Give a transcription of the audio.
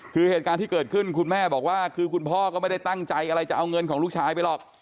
คือเหตุการณ์ที่เกิดขึ้นคุณแม่บอกว่าคือคุณพ่อก็ไม่ได้ตั้งใจอะไรจะเอาเงินของลูกชายไปหรอก